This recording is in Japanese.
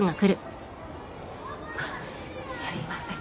あっすいません。